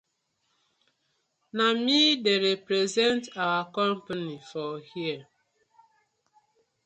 Na mi dey represent our company for here.